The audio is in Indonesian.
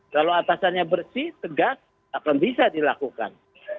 kalau atasannya bersih tegak akan bisa dilakukan